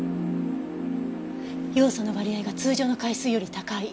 ヨウ素の割合が通常の海水より高い。